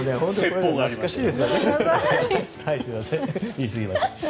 言いすぎました。